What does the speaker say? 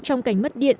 trong cảnh mất điện